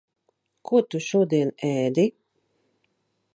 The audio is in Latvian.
Ko tu šodien ēdi?